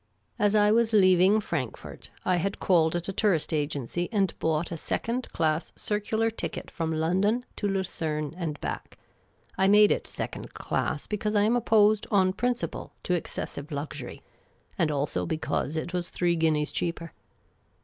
As I was leaving Frankfort, I had called at a tourist agency and bought a second class circular ticket from London to Lucerne and back — I made it second class because I am opposed on prin ciple to excessive luxury, and also because it was three guineas cheaper.